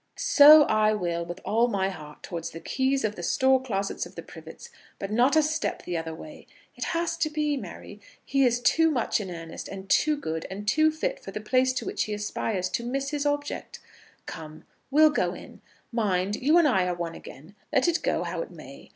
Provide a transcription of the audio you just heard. "So I will, with all my heart, towards the keys of the store closets of the Privets, but not a step the other way. It has to be, Mary. He is too much in earnest, and too good, and too fit for the place to which he aspires, to miss his object. Come, we'll go in. Mind, you and I are one again, let it go how it may.